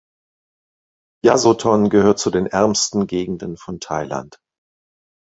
Yasothon gehört zu den ärmsten Gegenden von Thailand.